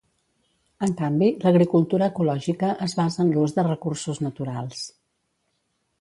En canvi, l'agricultura ecològica es basa en l'ús de recursos naturals.